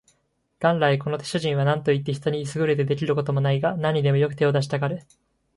元来この主人は何といって人に優れて出来る事もないが、何にでもよく手を出したがる